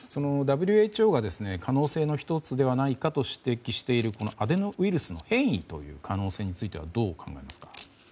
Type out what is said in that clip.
ＷＨＯが可能性の１つではないかと指摘しているアデノウイルスの変異という可能性についてはどう考えますか？